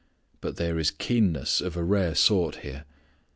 But there is keenness of a rare sort here.